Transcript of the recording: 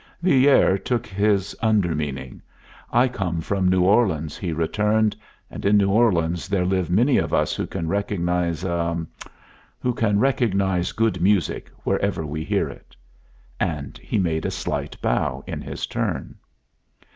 Villere took his under meaning. "I come from New Orleans," he returned, "and in New Orleans there live many of us who can recognize a who can recognize good music wherever we hear it." And he made a slight bow in his turn.